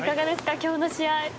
今日の試合。